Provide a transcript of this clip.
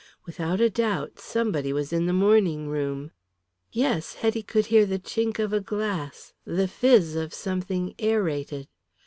Without a doubt somebody was in the morning room. Yes, Hetty could hear the chink of a glass, the fizz of something aerated.